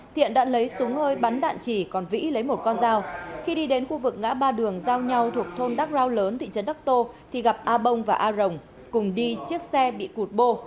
thiện đã lấy súng hơi bắn đạn chỉ còn vĩ lấy một con dao khi đi đến khu vực ngã ba đường giao nhau thuộc thôn đắc rau lớn thị trấn đắc tô thì gặp a bông và a rồng cùng đi chiếc xe bị cụt bô